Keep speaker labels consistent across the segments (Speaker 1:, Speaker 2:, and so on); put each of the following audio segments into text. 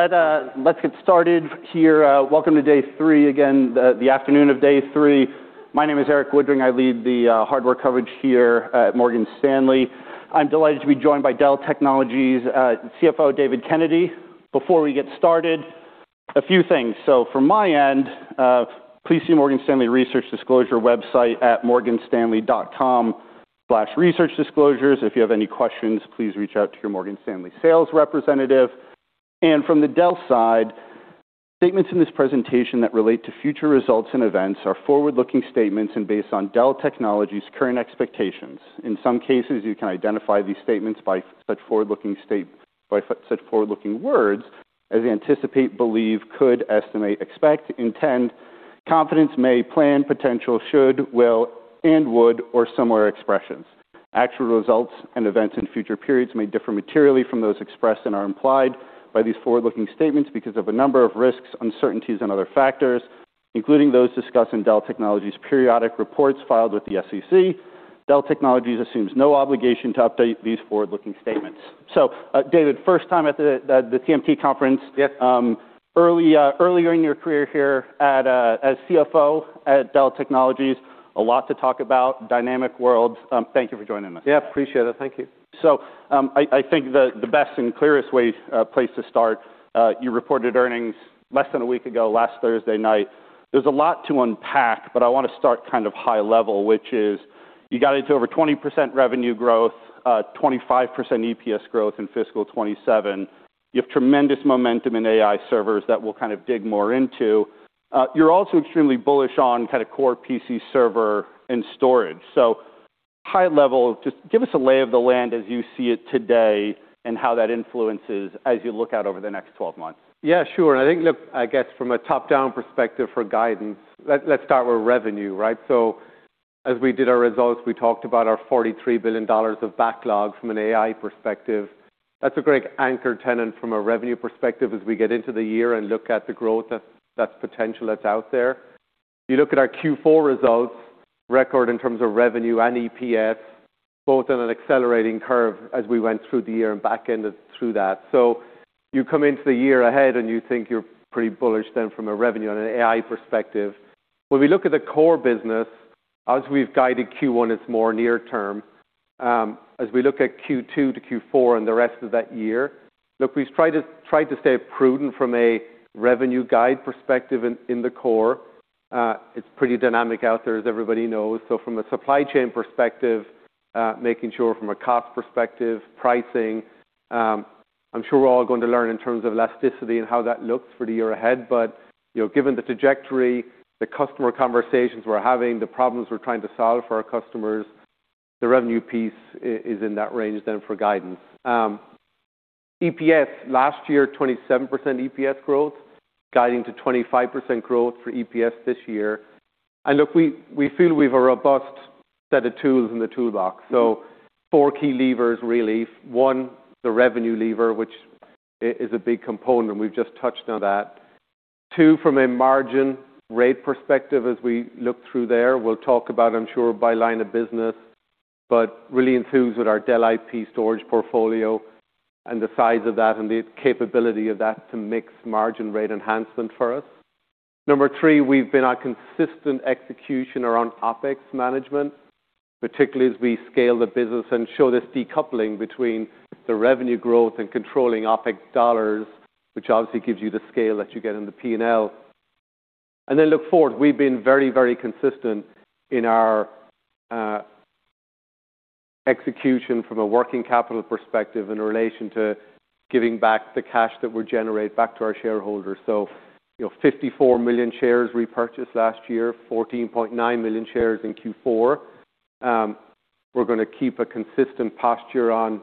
Speaker 1: Let's get started here. Welcome to day three again, the afternoon of day three. My name is Erik Woodring. I lead the Hardware Coverage here at Morgan Stanley. I'm delighted to be joined by Dell Technologies CFO, David Kennedy. Before we get started, a few things. From my end, please see Morgan Stanley research disclosure website at morganstanley.com/researchdisclosures. If you have any questions, please reach out to your Morgan Stanley sales representative. From the Dell side, statements in this presentation that relate to future results and events are forward-looking statements and based on Dell Technologies' current expectations. In some cases, you can identify these statements by such forward-looking words as anticipate, believe, could, estimate, expect, intend, confidence, may, plan, potential, should, will, and would, or similar expressions. Actual results and events in future periods may differ materially from those expressed and are implied by these forward-looking statements because of a number of risks, uncertainties and other factors, including those discussed in Dell Technologies' periodic reports filed with the SEC. Dell Technologies assumes no obligation to update these forward-looking statements. David, first time at the TMT conference.
Speaker 2: Yep.
Speaker 1: Early in your career here as CFO at Dell Technologies, a lot to talk about, dynamic world. Thank you for joining us.
Speaker 2: Yeah, appreciate it. Thank you.
Speaker 1: I think the best and clearest way, place to start, you reported earnings less than a week ago, last Thursday night. There's a lot to unpack, but I wanna start kind of high level, which is you got into over 20% revenue growth, 25% EPS growth in fiscal 27. You have tremendous momentum in AI servers that we'll kind of dig more into. You're also extremely bullish on kind of core PC server and storage. High level, just give us a lay of the land as you see it today and how that influences as you look out over the next 12 months.
Speaker 2: Yeah, sure. I think, look, I guess from a top-down perspective for guidance, let's start with revenue, right? As we did our results, we talked about our $43 billion of backlog from an AI perspective. That's a great anchor tenant from a revenue perspective as we get into the year and look at the growth that's potential that's out there. You look at our Q4 results, record in terms of revenue and EPS, both on an accelerating curve as we went through the year and backended through that. You come into the year ahead and you think you're pretty bullish then from a revenue and an AI perspective. When we look at the core business, as we've guided Q1, it's more near term. As we look at Q2 to Q4 and the rest of that year, look, we've tried to stay prudent from a revenue guide perspective in the core. It's pretty dynamic out there as everybody knows. From a supply chain perspective, making sure from a cost perspective, pricing, I'm sure we're all going to learn in terms of elasticity and how that looks for the year ahead. You know, given the trajectory, the customer conversations we're having, the problems we're trying to solve for our customers, the revenue piece is in that range then for guidance. EPS last year, 27% EPS growth, guiding to 25% growth for EPS this year. Look, we feel we've a robust set of tools in the toolbox. Four key levers really. One, the revenue lever, which is a big component. We've just touched on that. Two, from a margin rate perspective, as we look through there, we'll talk about, I'm sure by line of business, but really enthused with our Dell IP storage portfolio and the size of that and the capability of that to mix margin rate enhancement for us. Number three, we've been on consistent execution around OpEx management, particularly as we scale the business and show this decoupling between the revenue growth and controlling OpEx dollars, which obviously gives you the scale that you get in the P&L. Look forward. We've been very, very consistent in our execution from a working capital perspective in relation to giving back the cash that we generate back to our shareholders. You know, 54 million shares repurchased last year, 14.9 million shares in Q4. We're gonna keep a consistent posture on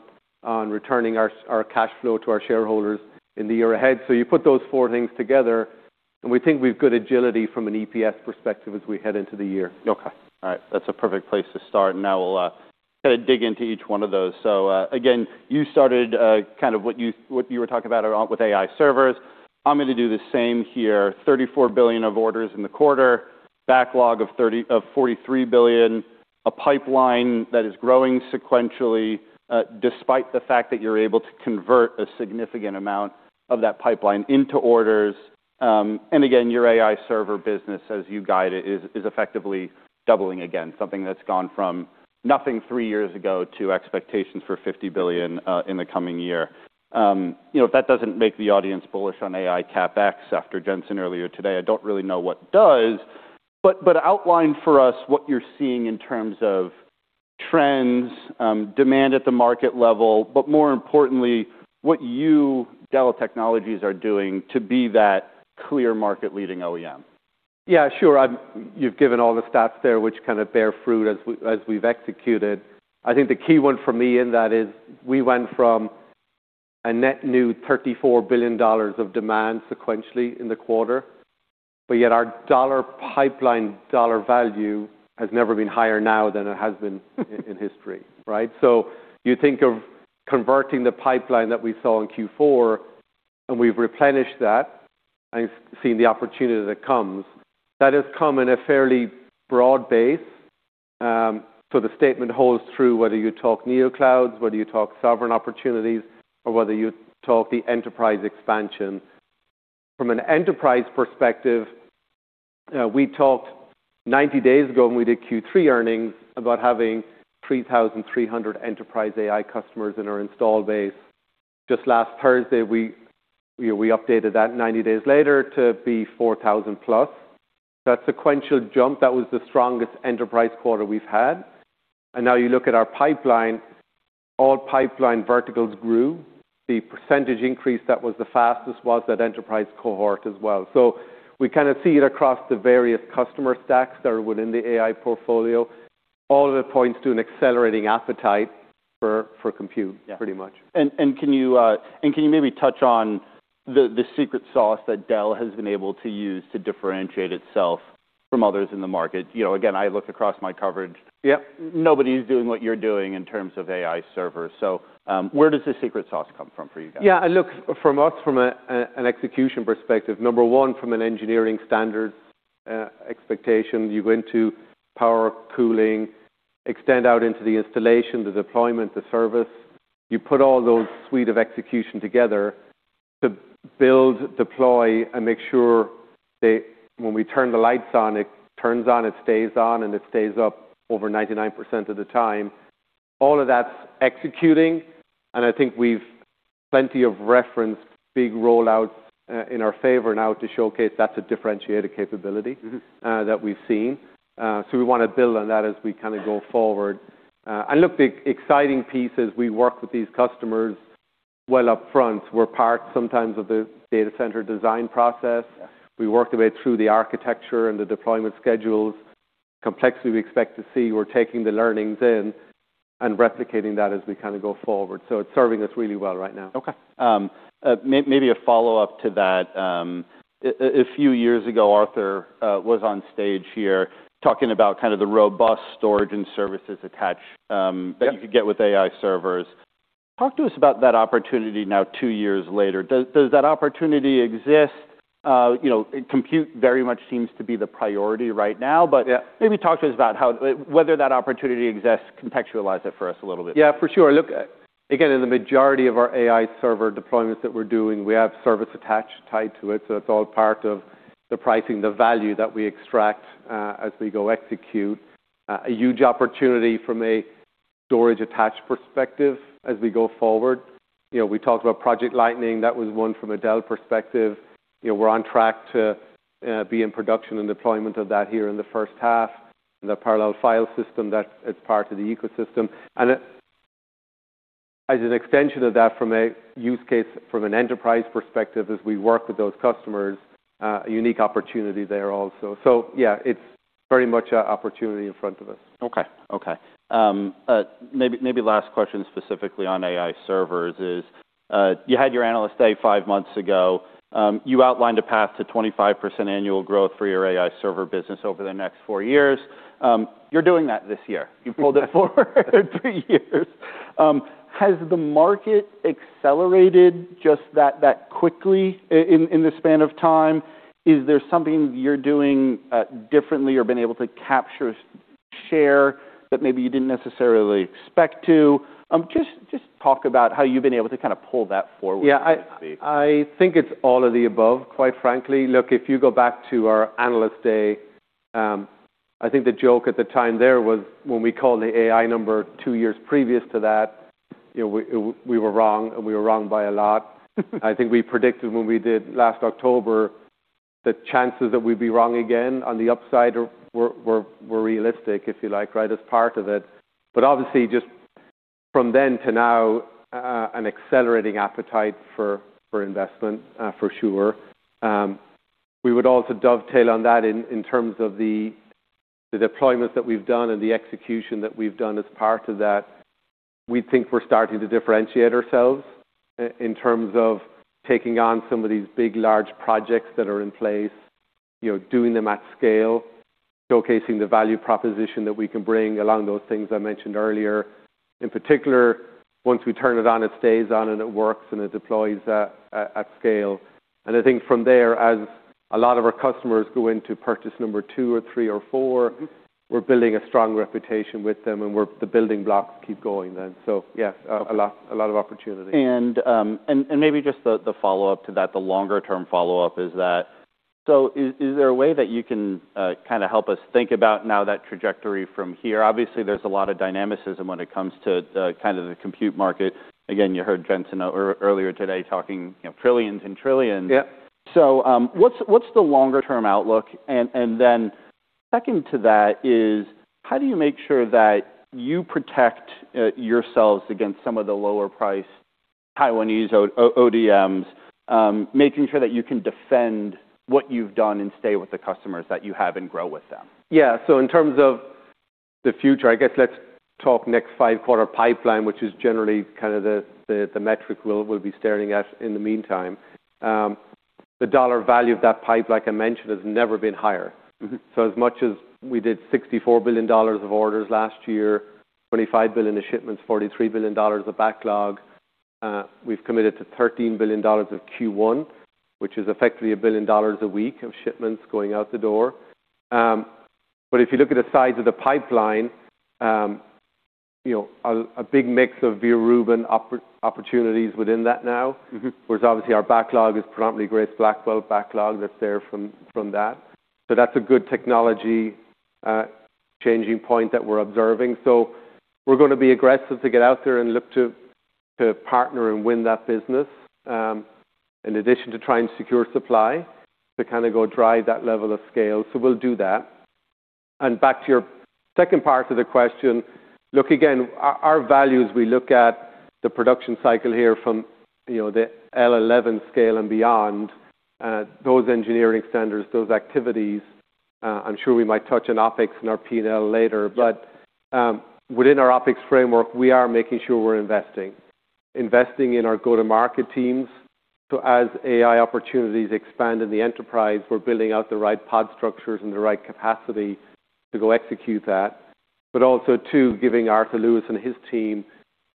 Speaker 2: returning our cash flow to our shareholders in the year ahead. You put those four things together, and we think we've good agility from an EPS perspective as we head into the year.
Speaker 1: Okay. All right. That's a perfect place to start, now we'll, kind of dig into each one of those. Again, you started, kind of what you, what you were talking about with AI servers. I'm gonna do the same here. $34 billion of orders in the quarter, backlog of $43 billion, a pipeline that is growing sequentially, despite the fact that you're able to convert a significant amount of that pipeline into orders. Again, your AI server business, as you guide it, is effectively doubling again, something that's gone from nothing three years ago to expectations for $50 billion, in the coming year. You know, if that doesn't make the audience bullish on AI CapEx after Jensen earlier today, I don't really know what does. Outline for us what you're seeing in terms of trends, demand at the market level, but more importantly, what you, Dell Technologies, are doing to be that clear market leading OEM.
Speaker 2: Yeah, sure. You've given all the stats there which kind of bear fruit as we've executed. I think the key one for me in that is we went from a net new $34 billion of demand sequentially in the quarter, but yet our dollar pipeline, dollar value has never been higher now than it has been in history, right? You think of converting the pipeline that we saw in Q4, and we've replenished that and seen the opportunity that comes. That has come in a fairly broad base. The statement holds true whether you talk neoclouds, whether you talk sovereign opportunities, or whether you talk the enterprise expansion. From an enterprise perspective, we talked 90 days ago when we did Q3 earnings about having 3,300 enterprise AI customers in our install base. Just last Thursday, we, you know, we updated that 90 days later to be 4,000+. That sequential jump, that was the strongest enterprise quarter we've had. Now you look at our pipeline, all pipeline verticals grew. The percentage increase that was the fastest was that enterprise cohort as well. We kind of see it across the various customer stacks that are within the AI portfolio. All of it points to an accelerating appetite for compute-
Speaker 1: Yeah...
Speaker 2: pretty much.
Speaker 1: Can you maybe touch on the secret sauce that Dell has been able to use to differentiate itself from others in the market? You know, again, I look across my coverage.
Speaker 2: Yep...
Speaker 1: nobody's doing what you're doing in terms of AI servers. Where does the secret sauce come from for you guys?
Speaker 2: Yeah, look, from us, from an execution perspective, number one, from an engineering standard, expectation, you go into power, cooling, extend out into the installation, the deployment, the service. You put all those suite of execution together to build, deploy, and make sure when we turn the lights on, it turns on, it stays on, and it stays up over 99% of the time. All of that's executing, and I think we've plenty of referenced big rollouts in our favor now to showcase that's a differentiator capability.
Speaker 1: Mm-hmm...
Speaker 2: that we've seen. We wanna build on that as we kinda go forward. Look, the exciting piece is we work with these customers well upfront. We're part sometimes of the data center design process.
Speaker 1: Yeah.
Speaker 2: We work the way through the architecture and the deployment schedules. Complexity we expect to see, we're taking the learnings in and replicating that as we kind of go forward. It's serving us really well right now.
Speaker 1: Okay. Maybe a follow-up to that. A few years ago, Arthur, was on stage here talking about kind of the robust storage and services attached.
Speaker 2: Yep...
Speaker 1: that you could get with AI servers. Talk to us about that opportunity now two years later. Does that opportunity exist? You know, compute very much seems to be the priority right now.
Speaker 2: Yeah...
Speaker 1: maybe talk to us about how... whether that opportunity exists, contextualize it for us a little bit?
Speaker 2: Yeah, for sure. Look, again, in the majority of our AI server deployments that we're doing, we have service attached tied to it, so it's all part of the pricing, the value that we extract as we go execute. A huge opportunity from a storage attached perspective as we go forward. You know, we talked about Project Lightning, that was one from a Dell perspective. You know, we're on track to be in production and deployment of that here in the first half, and the parallel file system that is part of the ecosystem. As an extension of that from a use case, from an enterprise perspective, as we work with those customers, a unique opportunity there also. Yeah, it's very much a opportunity in front of us.
Speaker 1: Okay. Okay. Maybe last question specifically on AI servers is. You had your Analyst Day five months ago. You outlined a path to 25% annual growth for your AI server business over the next four years. You're doing that this year. You pulled it forward three years. Has the market accelerated just that quickly in the span of time? Is there something you're doing, differently or been able to capture share that maybe you didn't necessarily expect to? Just talk about how you've been able to kind of pull that forward?
Speaker 2: Yeah....
Speaker 1: recently.
Speaker 2: I think it's all of the above, quite frankly. Look, if you go back to our Analyst Day, I think the joke at the time there was when we called the AI number two years previous to that, you know, we were wrong, and we were wrong by a lot. I think we predicted when we did last October, the chances that we'd be wrong again on the upside were realistic, if you like, right, as part of it. Obviously, just from then to now, an accelerating appetite for investment, for sure. We would also dovetail on that in terms of the deployments that we've done and the execution that we've done as part of that. We think we're starting to differentiate ourselves in terms of taking on some of these big, large projects that are in place, you know, doing them at scale, showcasing the value proposition that we can bring along those things I mentioned earlier. In particular, once we turn it on, it stays on, and it works, and it deploys at scale. I think from there, as a lot of our customers go in to purchase number two or three or four-
Speaker 1: Mm-hmm
Speaker 2: we're building a strong reputation with them, and the building blocks keep going then.
Speaker 1: Okay...
Speaker 2: a lot of opportunity.
Speaker 1: Maybe just the follow-up to that, the longer term follow-up is that, is there a way that you can kind of help us think about now that trajectory from here? Obviously, there's a lot of dynamicism when it comes to kind of the compute market. You heard Jensen earlier today talking, you know, trillions and trillions.
Speaker 2: Yeah.
Speaker 1: What's the longer term outlook? Second to that is, how do you make sure that you protect yourselves against some of the lower priced Taiwanese ODMs, making sure that you can defend what you've done and stay with the customers that you have and grow with them?
Speaker 2: In terms of the future, I guess let's talk next five-quarter pipeline, which is generally kind of the metric we'll be staring at in the meantime. The dollar value of that pipe, like I mentioned, has never been higher.
Speaker 1: Mm-hmm.
Speaker 2: As much as we did $64 billion of orders last year, $25 billion of shipments, $43 billion of backlog. We've committed to $13 billion of Q1, which is effectively $1 billion a week of shipments going out the door. If you look at the size of the pipeline, a big mix of vSAN opportunities within that now.
Speaker 1: Mm-hmm.
Speaker 2: Obviously our backlog is predominantly Grace Blackwell backlog that's there from that. That's a good technology changing point that we're observing. We're gonna be aggressive to get out there and look to partner and win that business, in addition to trying to secure supply to kind of go drive that level of scale. We'll do that. Back to your second part of the question. Look, again, our values, we look at the production cycle here from, you know, the L11 scale and beyond, those engineering centers, those activities, I'm sure we might touch on OpEx in our P&L later. Within our OpEx framework, we are making sure we're investing. Investing in our go-to-market teams. As AI opportunities expand in the enterprise, we're building out the right pod structures and the right capacity to go execute that. Also, too, giving Arthur Lewis and his team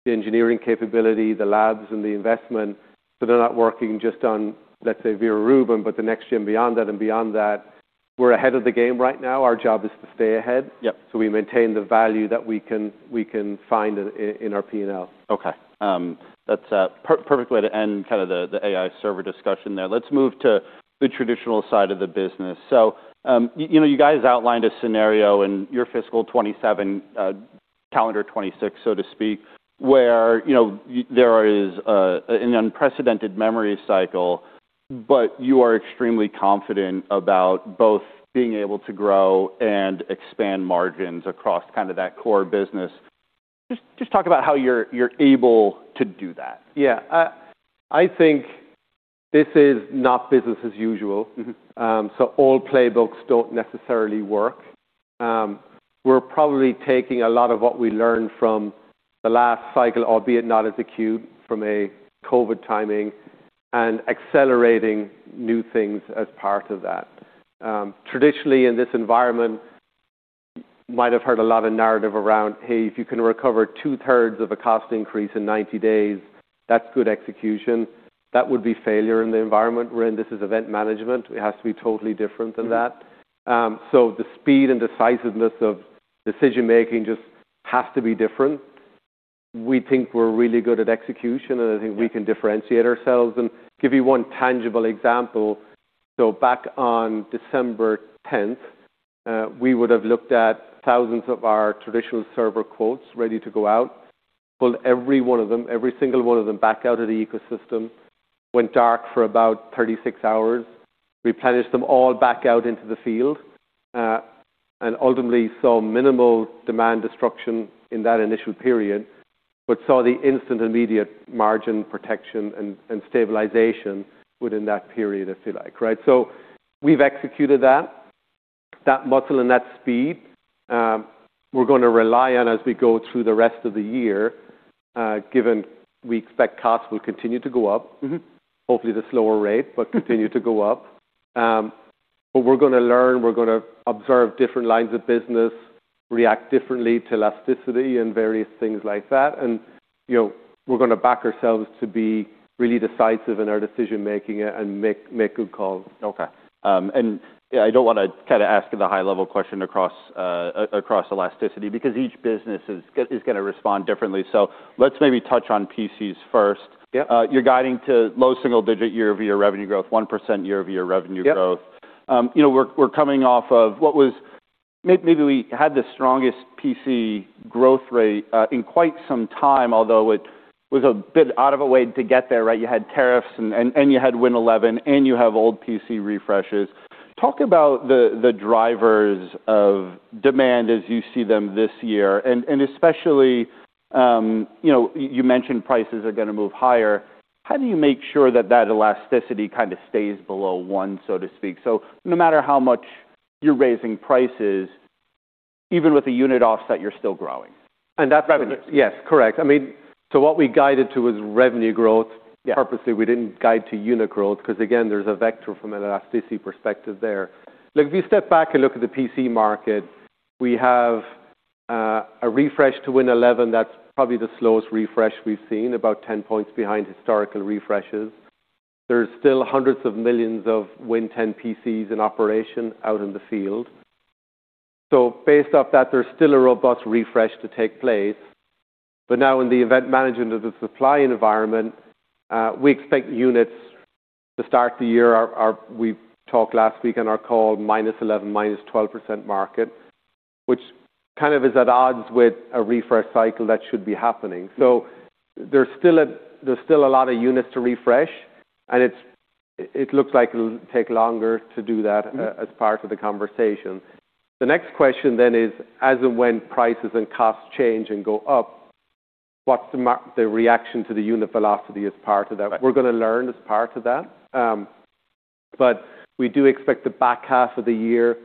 Speaker 2: the engineering capability, the labs and the investment, so they're not working just on, let's say, Rubinbut the next gen beyond that and beyond that. We're ahead of the game right now. Our job is to stay ahead.
Speaker 1: Yep.
Speaker 2: We maintain the value that we can find in our P&L.
Speaker 1: Okay. That's perfect way to end kind of the AI server discussion there. Let's move to the traditional side of the business. You know, you guys outlined a scenario in your fiscal FY27, calendar 2026, so to speak, where, you know, there is an unprecedented memory cycle, but you are extremely confident about both being able to grow and expand margins across kind of that core business. Just talk about how you're able to do that.
Speaker 2: Yeah. I think this is not business as usual.
Speaker 1: Mm-hmm.
Speaker 2: Old playbooks don't necessarily work. We're probably taking a lot of what we learned from the last cycle, albeit not as acute from a COVID timing, and accelerating new things as part of that. Traditionally in this environment, might have heard a lot of narrative around, hey, if you can recover two-thirds of a cost increase in 90 days, that's good execution. That would be failure in the environment we're in. This is event management. It has to be totally different than that. The speed and decisiveness of decision-making just has to be different. We think we're really good at execution, and I think we can differentiate ourselves. Give you one tangible example. Back on December 10th, we would have looked at thousands of our traditional server quotes ready to go out. Pulled every one of them, every single one of them back out of the ecosystem, went dark for about 36 hours, replenished them all back out into the field, and ultimately saw minimal demand destruction in that initial period, but saw the instant immediate margin protection and stabilization within that period, if you like, right. We've executed that muscle and that speed, we're gonna rely on as we go through the rest of the year, given we expect costs will continue to go up.
Speaker 1: Mm-hmm.
Speaker 2: Hopefully at a slower rate, but continue to go up. We're gonna learn, we're gonna observe different lines of business, react differently to elasticity and various things like that. You know, we're gonna back ourselves to be really decisive in our decision-making and make good calls.
Speaker 1: Okay. I don't wanna kinda ask the high-level question across elasticity because each business is gonna respond differently. Let's maybe touch on PCs first.
Speaker 2: Yeah.
Speaker 1: You're guiding to low single-digit year-over-year revenue growth, 1% year-over-year revenue growth.
Speaker 2: Yep.
Speaker 1: You know, we're coming off of what was... Maybe we had the strongest PC growth rate in quite some time, although it was a bit out of a way to get there, right? You had tariffs and you had Windows 11, and you have old PC refreshes. Talk about the drivers of demand as you see them this year, and especially, you know, you mentioned prices are gonna move higher. How do you make sure that that elasticity kind of stays below one, so to speak? No matter how much you're raising prices, even with the unit offset, you're still growing.
Speaker 2: Revenue. Yes, correct. I mean. What we guided to was revenue growth.
Speaker 1: Yeah.
Speaker 2: Purposely, we didn't guide to unit growth because, again, there's a vector from an elasticity perspective there. Like, if you step back and look at the PC market, we have a refresh to Windows 11 that's probably the slowest refresh we've seen, about 10 points behind historical refreshes. There's still hundreds of millions of Windows 10 PCs in operation out in the field. Based off that, there's still a robust refresh to take place. Now in the event management of the supply environment, we expect units to start the year. We talked last week on our call -11%, -12% market, which kind of is at odds with a refresh cycle that should be happening. There's still a lot of units to refresh, and it's, it looks like it'll take longer to do that as part of the conversation. The next question is, as and when prices and costs change and go up, what's the reaction to the unit velocity as part of that? We're gonna learn as part of that. We do expect the back half of the year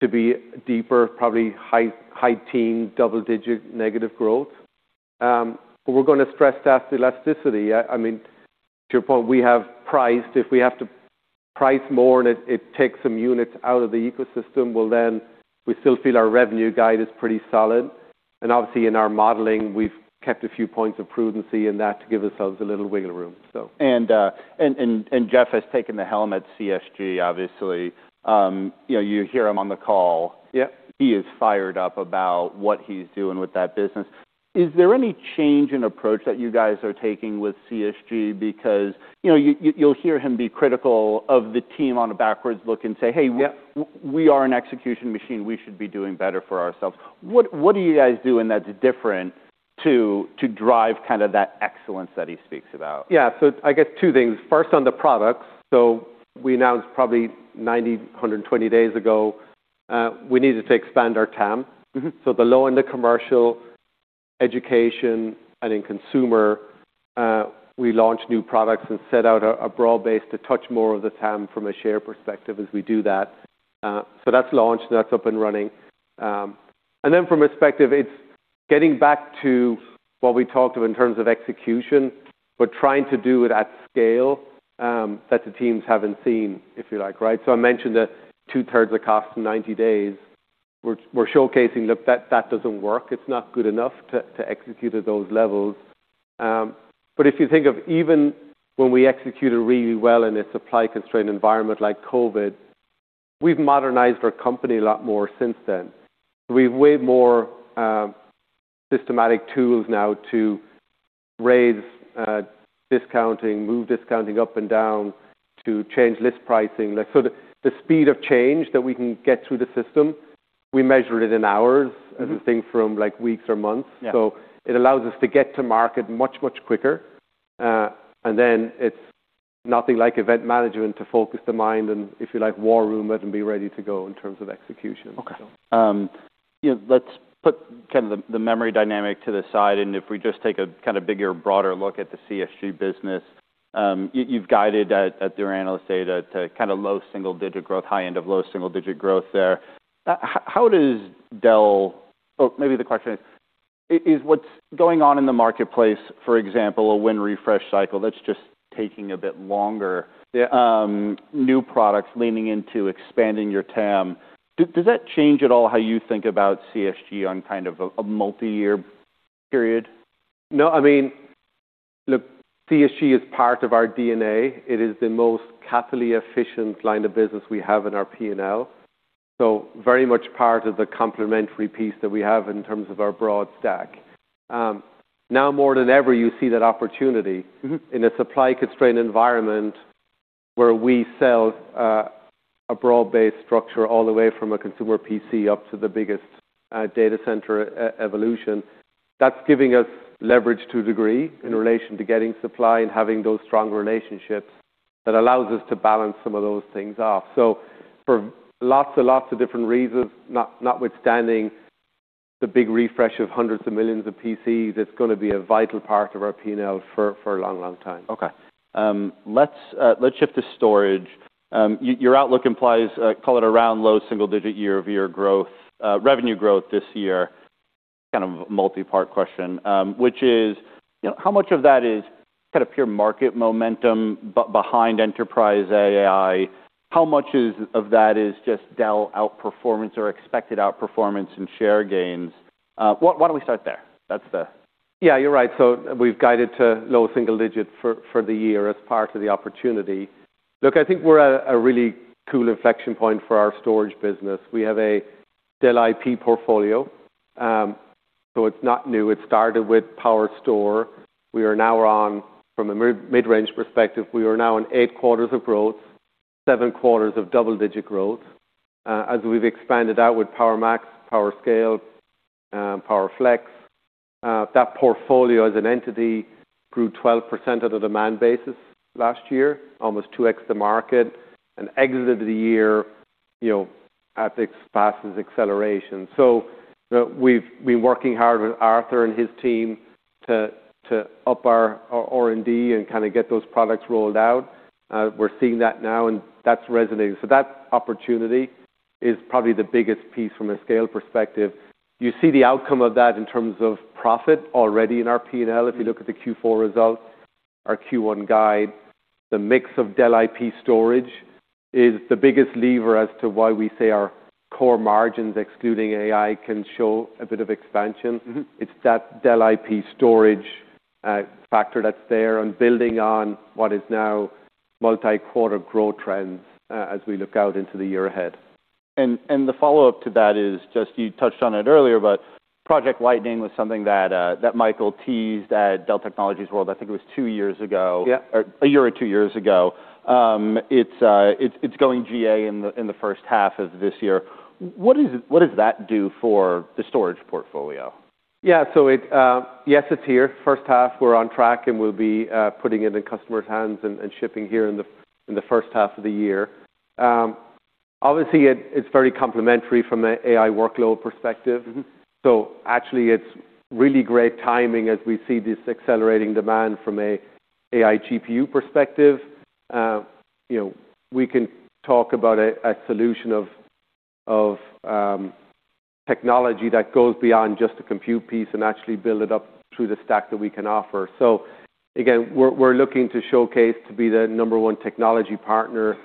Speaker 2: to be deeper, probably high teen, double-digit negative growth. We're gonna stress test elasticity. I mean, to your point, we have priced if we have to Price more, and it takes some units out of the ecosystem, well then we still feel our revenue guide is pretty solid. Obviously in our modeling, we've kept a few points of prudency in that to give ourselves a little wiggle room.
Speaker 1: Jeff has taken the helm at CSG, obviously. You know, you hear him on the call.
Speaker 2: Yeah.
Speaker 1: He is fired up about what he's doing with that business. Is there any change in approach that you guys are taking with CSG? Because, you know, you'll hear him be critical of the team on a backwards look and say.
Speaker 2: Yeah.
Speaker 1: We are an execution machine. We should be doing better for ourselves." What do you guys do and that's different to drive kind of that excellence that he speaks about?
Speaker 2: Yeah. I guess two things. First, on the products. We announced probably 90, 120 days ago, we needed to expand our TAM.
Speaker 1: Mm-hmm.
Speaker 2: Below in the commercial, education, and in consumer, we launched new products and set out a broad base to touch more of the TAM from a share perspective as we do that. That's launched, and that's up and running. Then from a perspective, it's getting back to what we talked of in terms of execution, but trying to do it at scale, that the teams haven't seen, if you like, right? I mentioned that two-thirds of costs in 90 days, we're showcasing that doesn't work. It's not good enough to execute at those levels. If you think of even when we executed really well in a supply-constrained environment like COVID, we've modernized our company a lot more since then. We have way more systematic tools now to raise discounting, move discounting up and down to change list pricing. The speed of change that we can get through the system, we measure it in hours.
Speaker 1: Mm-hmm.
Speaker 2: as we think from, like, weeks or months.
Speaker 1: Yeah.
Speaker 2: It allows us to get to market much, much quicker. It's nothing like event management to focus the mind and, if you like, war room it and be ready to go in terms of execution.
Speaker 1: Okay. you know, let's put kind of the memory dynamic to the side, if we just take a kind of bigger, broader look at the CSG business, you've guided at their Analyst Day to kind of low single-digit growth, high end of low single-digit growth there. how does Dell... Or maybe the question is what's going on in the marketplace, for example, a Windows refresh cycle that's just taking a bit longer...
Speaker 2: Yeah.
Speaker 1: new products leaning into expanding your TAM. Does that change at all how you think about CSG on kind of a multi-year period?
Speaker 2: No. I mean, look, CSG is part of our DNA. It is the most capitally efficient line of business we have in our P&L. Very much part of the complementary piece that we have in terms of our broad stack. Now more than ever, you see that opportunity.
Speaker 1: Mm-hmm.
Speaker 2: -in a supply-constrained environment where we sell a broad-based structure all the way from a consumer PC up to the biggest data center e-evolution. That's giving us leverage to a degree.
Speaker 1: Mm-hmm.
Speaker 2: in relation to getting supply and having those strong relationships that allows us to balance some of those things off. For lots and lots of different reasons, notwithstanding the big refresh of hundreds of millions of PCs, it's going to be a vital part of our P&L for a long, long time.
Speaker 1: Okay. Let's shift to storage. Your outlook implies, call it around low single digit year-over-year growth, revenue growth this year. Kind of multi-part question, you know, how much of that is kind of pure market momentum behind enterprise AI? How much of that is just Dell outperformance or expected outperformance and share gains? Why don't we start there?
Speaker 2: You're right. We've guided to low single-digit for the year as part of the opportunity. Look, I think we're at a really cool inflection point for our storage business. We have a Dell IP portfolio, so it's not new. It started with PowerStore. We are now on, from a mid-range perspective, we are now on eight quarters of growth, seven quarters of double-digit growth. As we've expanded out with PowerMax, PowerScale, PowerFlex, that portfolio as an entity grew 12% at a demand basis last year, almost two times the market, and exited the year, you know, at its fastest acceleration. We've been working hard with Arthur and his team to up our R&D and kinda get those products rolled out. We're seeing that now, and that's resonating. That opportunity is probably the biggest piece from a scale perspective. You see the outcome of that in terms of profit already in our P&L if you look at the Q4 results, our Q1 guide. The mix of Dell IP storage is the biggest lever as to why we say our core margins, excluding AI, can show a bit of expansion.
Speaker 1: Mm-hmm.
Speaker 2: It's that Dell IP storage factor that's there and building on what is now multi-quarter growth trends as we look out into the year ahead.
Speaker 1: The follow-up to that is just, you touched on it earlier, but Project Lightning was something that Michael teased at Dell Technologies World, I think it was two years ago.
Speaker 2: Yeah.
Speaker 1: A year or two years ago. It's going GA in the first half of this year. What does that do for the storage portfolio?
Speaker 2: Yeah. Yes, it's here. First half, we're on track, and we'll be putting it in customers' hands and shipping here in the first half of the year. Obviously, it's very complementary from a AI workload perspective.
Speaker 1: Mm-hmm.
Speaker 2: Actually it's really great timing as we see this accelerating demand from a AI GPU perspective. you know, we can talk about a solution of technology that goes beyond just the compute piece and actually build it up through the stack that we can offer. Again, we're looking to showcase to be the number one technology partner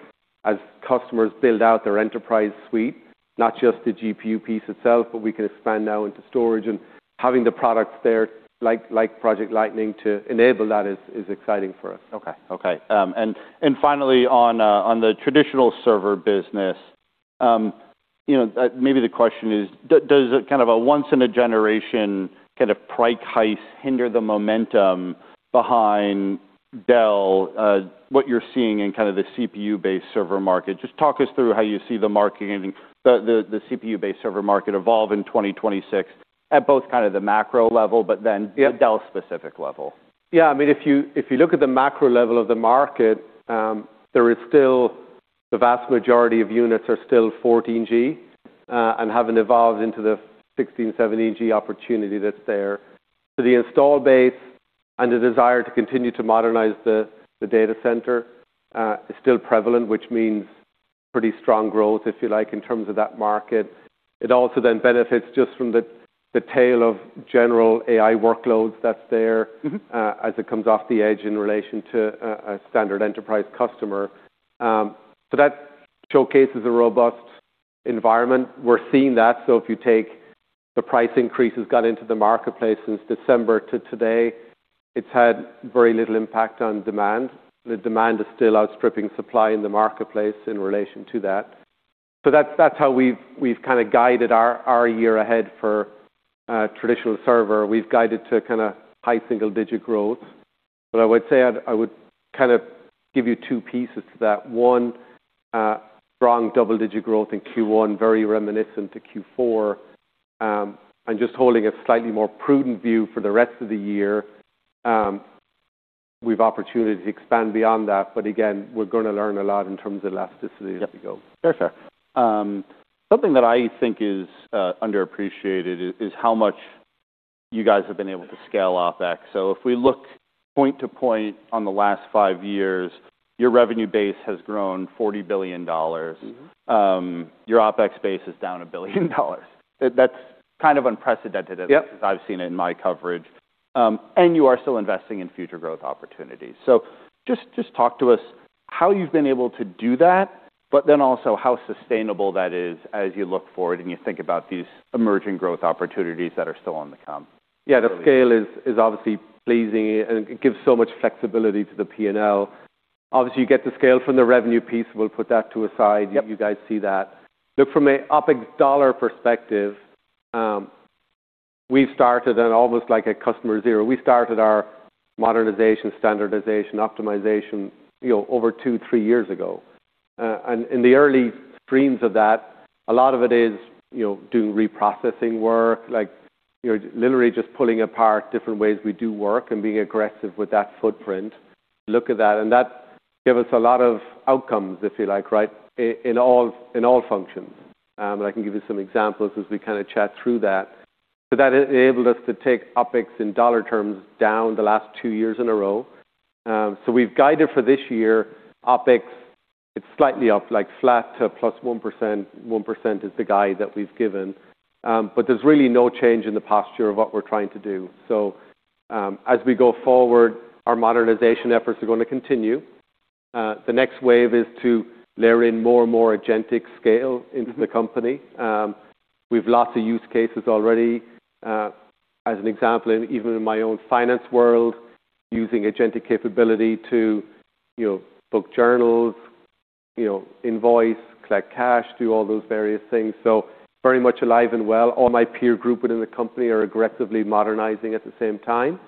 Speaker 2: as customers build out their enterprise suite, not just the GPU piece itself, but we can expand now into storage and having the products there like Project Lightning to enable that is exciting for us.
Speaker 1: Okay, okay. Finally, on the traditional server business, you know, maybe the question is, does a kind of a once in a generation kind of price hike hinder the momentum behind Dell, what you're seeing in kind of the CPU-based server market? Just talk us through how you see the market and the CPU-based server market evolve in 2026 at both kind of the macro level but then-.
Speaker 2: Yeah...
Speaker 1: the Dell specific level.
Speaker 2: I mean, if you look at the macro level of the market, there is still the vast majority of units are still 14G, and haven't evolved into the 16G, 17G opportunity that's there. The install base and the desire to continue to modernize the data center is still prevalent, which means pretty strong growth, if you like, in terms of that market. It also benefits just from the tail of general AI workloads that's there.
Speaker 1: Mm-hmm...
Speaker 2: as it comes off the edge in relation to a standard enterprise customer. That showcases a robust environment. We're seeing that. If you take the price increases got into the marketplace since December to today, it's had very little impact on demand. The demand is still outstripping supply in the marketplace in relation to that. That's how we've kind of guided our year ahead for traditional server. We've guided to kind of high single-digit growth. I would say I would kind of give you two pieces to that. One, strong double-digit growth in Q1, very reminiscent to Q4, and just holding a slightly more prudent view for the rest of the year, with opportunity to expand beyond that. Again, we're gonna learn a lot in terms of elasticity as we go.
Speaker 1: Yeah. Fair, fair. Something that I think is underappreciated is how much you guys have been able to scale OpEx. If we look point to point on the last five years, your revenue base has grown $40 billion.
Speaker 2: Mm-hmm.
Speaker 1: Your OpEx base is down $1 billion. That's kind of unprecedented.
Speaker 2: Yep...
Speaker 1: as I've seen it in my coverage. You are still investing in future growth opportunities. Just talk to us how you've been able to do that, but then also how sustainable that is as you look forward and you think about these emerging growth opportunities that are still on the come.
Speaker 2: Yeah. The scale is obviously pleasing, and it gives so much flexibility to the P&L. Obviously, you get the scale from the revenue piece. We'll put that to a side.
Speaker 1: Yep.
Speaker 2: You guys see that. Look, from a OpEx dollar perspective, we've started an almost like a customer zero. We started our modernization, standardization, optimization, you know, over two, three years ago. In the early streams of that, a lot of it is, you know, doing reprocessing work, like, you know, literally just pulling apart different ways we do work and being aggressive with that footprint. Look at that gave us a lot of outcomes, if you like, right, in all functions. I can give you some examples as we kind of chat through that. That enabled us to take OpEx in dollar terms down the last two years in a row. We've guided for this year OpEx. It's slightly up, like flat to +1%. 1% is the guide that we've given. There's really no change in the posture of what we're trying to do. As we go forward, our modernization efforts are gonna continue. The next wave is to layer in more and more agentic scale into the company. We've lots of use cases already. As an example, even in my own finance world, using agentic capability to, you know, book journals, you know, invoice, collect cash, do all those various things. Very much alive and well. All my peer group within the company are aggressively modernizing at the same time.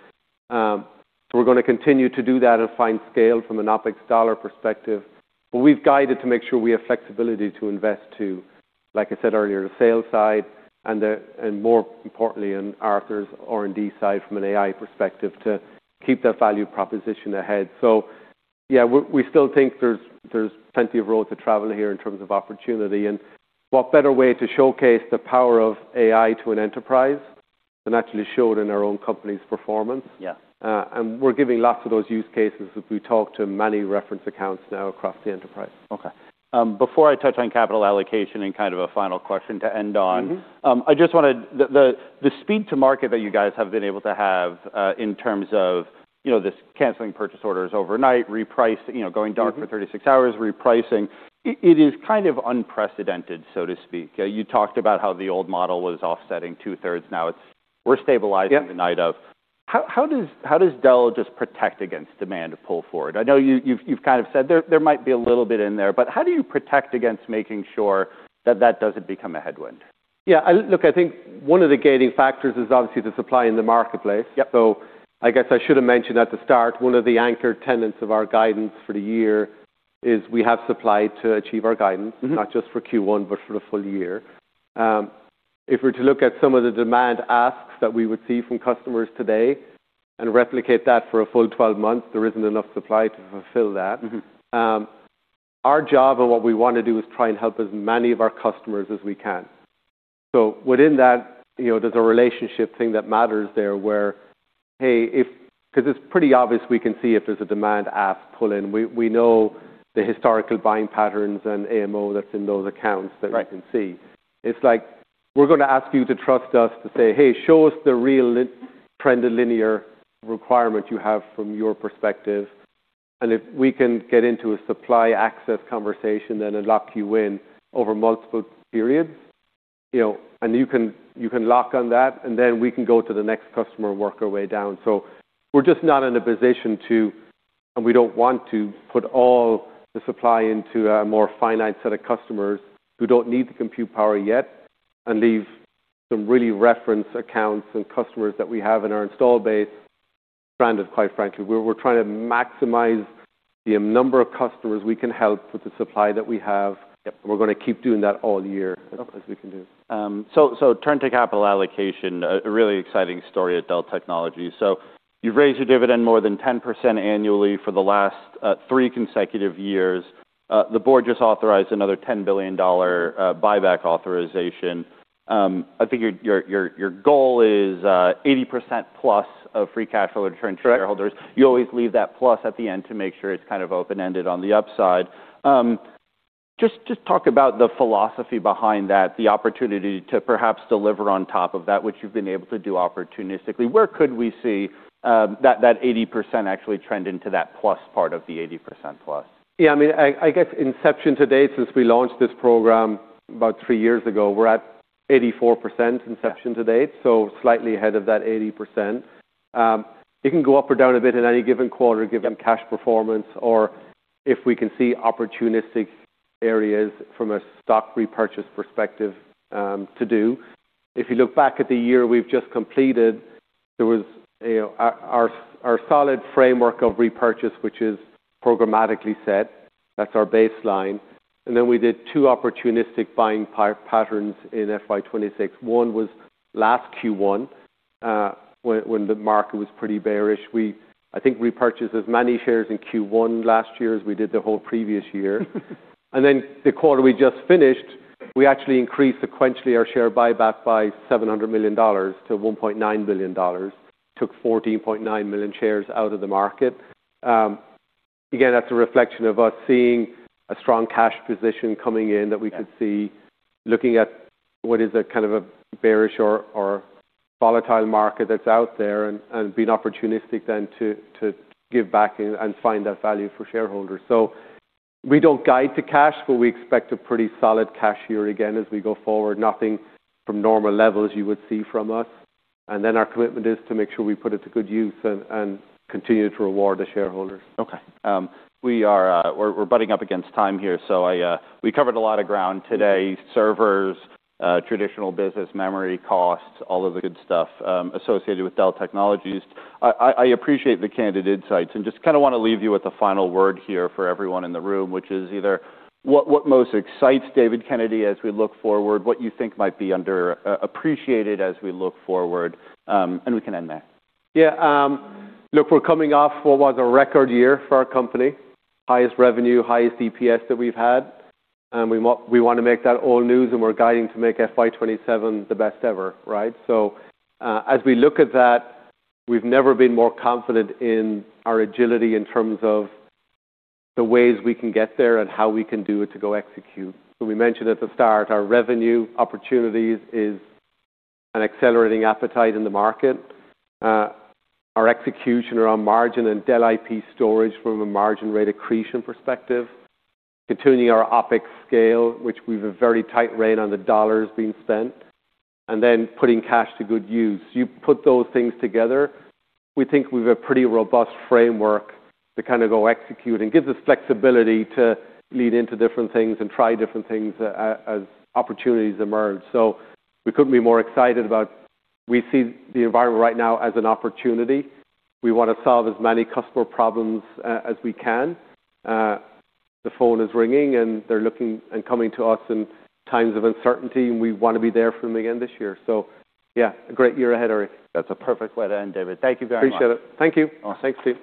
Speaker 2: We're gonna continue to do that and find scale from an OpEx dollar perspective. We've guided to make sure we have flexibility to invest to, like I said earlier, the sales side and the... More importantly, in Arthur's R&D side from an AI perspective to keep that value proposition ahead. Yeah, we still think there's plenty of road to travel here in terms of opportunity. What better way to showcase the power of AI to an enterprise than actually show it in our own company's performance?
Speaker 1: Yeah.
Speaker 2: We're giving lots of those use cases as we talk to many reference accounts now across the enterprise.
Speaker 1: Okay. Before I touch on capital allocation in kind of a final question.
Speaker 2: Mm-hmm
Speaker 1: The speed to market that you guys have been able to have, in terms of, you know, this canceling purchase orders overnight, reprice, you know, going dark.
Speaker 2: Mm-hmm...
Speaker 1: 36 hours, repricing, it is kind of unprecedented, so to speak. You talked about how the old model was offsetting two-thirds. Now we're stabilizing.
Speaker 2: Yep...
Speaker 1: the night of. How does Dell just protect against demand pull forward? I know you've kind of said there might be a little bit in there, but how do you protect against making sure that that doesn't become a headwind?
Speaker 2: Yeah. Look, I think one of the gating factors is obviously the supply in the marketplace.
Speaker 1: Yep.
Speaker 2: I guess I should have mentioned at the start, one of the anchor tenants of our guidance for the year is we have supply to achieve our guidance...
Speaker 1: Mm-hmm...
Speaker 2: not just for Q1, but for the full year. If we're to look at some of the demand asks that we would see from customers today and replicate that for a full 12 months, there isn't enough supply to fulfill that.
Speaker 1: Mm-hmm.
Speaker 2: Our job and what we wanna do is try and help as many of our customers as we can. Within that, you know, there's a relationship thing that matters there where, hey, because it's pretty obvious we can see if there's a demand app pull in. We know the historical buying patterns and AMO that's in those accounts that we can see.
Speaker 1: Right.
Speaker 2: It's like we're gonna ask you to trust us to say, "Hey, show us the real trend in linear requirement you have from your perspective." If we can get into a supply access conversation, then unlock you in over multiple periods, you know, and you can lock on that, and then we can go to the next customer and work our way down. We're just not in a position to, and we don't want to, put all the supply into a more finite set of customers who don't need the compute power yet and leave some really reference accounts and customers that we have in our install base stranded, quite frankly. We're, we're trying to maximize the number of customers we can help with the supply that we have.
Speaker 1: Yep.
Speaker 2: We're gonna keep doing that all year as best we can do.
Speaker 1: Turn to capital allocation, a really exciting story at Dell Technologies. You've raised your dividend more than 10% annually for the last three consecutive years. The board just authorized another $10 billion buyback authorization. I think your goal is 80% plus of free cash flow to return to shareholders.
Speaker 2: Correct.
Speaker 1: You always leave that plus at the end to make sure it's kind of open-ended on the upside. Just talk about the philosophy behind that, the opportunity to perhaps deliver on top of that which you've been able to do opportunistically. Where could we see that 80% actually trend into that plus part of the 80% plus?
Speaker 2: I mean, I guess inception to date, since we launched this program about three years ago, we're at 84% inception to date, so slightly ahead of that 80%. It can go up or down a bit in any given quarter, given cash performance or if we can see opportunistic areas from a stock repurchase perspective to do. If you look back at the year we've just completed, there was, you know, our solid framework of repurchase, which is programmatically set, that's our baseline. Then we did two opportunistic buying patterns in FY26. One was last Q1, when the market was pretty bearish. We, I think we purchased as many shares in Q1 last year as we did the whole previous year. The quarter we just finished, we actually increased sequentially our share buyback by $700 million to $1.9 billion. Took 14.9 million shares out of the market. Again, that's a reflection of us seeing a strong cash position coming in that we could see, looking at what is a kind of a bearish or volatile market that's out there and being opportunistic then to give back and find that value for shareholders. We don't guide to cash, but we expect a pretty solid cash year again as we go forward. Nothing from normal levels you would see from us. Our commitment is to make sure we put it to good use and continue to reward the shareholders.
Speaker 1: Okay. We're butting up against time here, so I. We covered a lot of ground today. Servers, traditional business, memory costs, all of the good stuff associated with Dell Technologies. I appreciate the candid insights, and just kinda wanna leave you with a final word here for everyone in the room, which is either what most excites David Kennedy as we look forward, what you think might be under appreciated as we look forward, and we can end there.
Speaker 2: Look, we're coming off what was a record year for our company. Highest revenue, highest EPS that we've had, and we wanna make that all news, and we're guiding to make FY27 the best ever, right? As we look at that, we've never been more confident in our agility in terms of the ways we can get there and how we can do it to go execute. We mentioned at the start, our revenue opportunities is an accelerating appetite in the market. Our execution around margin and Dell IP storage from a margin rate accretion perspective. Continuing our OpEx scale, which we've a very tight rein on the dollars being spent, and then putting cash to good use. You put those things together, we think we've a pretty robust framework to kind of go execute and gives us flexibility to lead into different things and try different things as opportunities emerge. We couldn't be more excited about. We see the environment right now as an opportunity. We wanna solve as many customer problems as we can. The phone is ringing, and they're looking and coming to us in times of uncertainty, and we wanna be there for them again this year. Yeah, a great year ahead, Erik.
Speaker 1: That's a perfect way to end, David. Thank you very much.
Speaker 2: Appreciate it. Thank you.
Speaker 1: Awesome.
Speaker 2: Thanks, team.